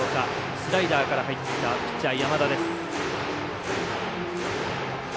スライダーから入ってきたピッチャー、山田です。